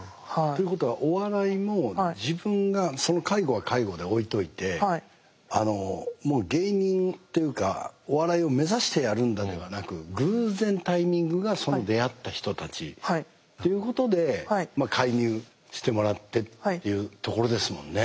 ということはお笑いも自分がその介護は介護で置いておいてもう芸人というかお笑いを目指してやるんだではなく偶然タイミングがその出会った人たちっていうことで介入してもらってっていうところですもんね。